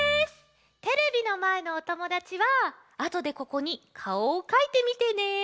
テレビのまえのおともだちはあとでここにかおをかいてみてね。